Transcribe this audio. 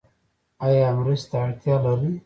ایا مرستې ته اړتیا لرئ؟